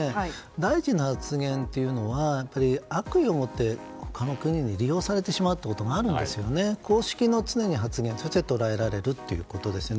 大臣の発言というのは悪意を持って他の国に利用されてしまうことがあるんですね。公式の発言は常に捉えられるということですね。